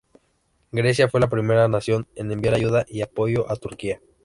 Grecia fue la primera nación en enviar ayuda y apoyo a Turquía.